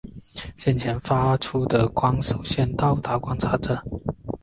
先前发出的光首先到达观察者。